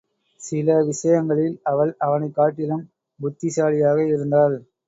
சில விஷயங்களில் அவள் அவனைக் காட்டிலும் புத்திசாலியாக இருந்தாள்.